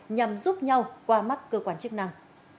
nhằm giúp nhau qua mắt cơ quan chức năng